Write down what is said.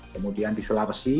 kemudian di sulawesi